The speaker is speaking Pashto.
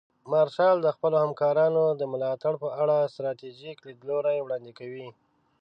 مارشال د خپلو همکارانو د ملاتړ په اړه ستراتیژیک لیدلوري وړاندې کوي.